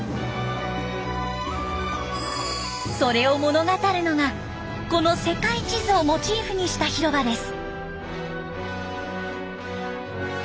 それを物語るのがこの世界地図をモチーフにした広場です。